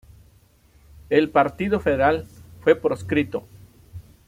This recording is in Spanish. El partido federal fue proscrito.